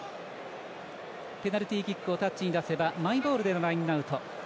ペナルティキックをタッチに出せばマイボールでのラインアウト。